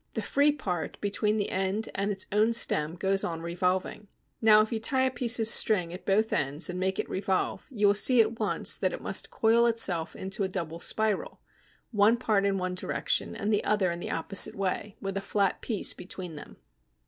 The free part between the end and its own stem goes on revolving; now if you tie a piece of string at both ends and make it revolve, you will see at once that it must coil itself into a double spiral, one part in one direction and the other in the opposite way, with a flat piece between them.